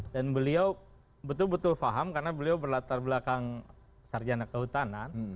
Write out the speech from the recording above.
dan beliau betul betul faham karena beliau berlatar belakang sarjana kehutanan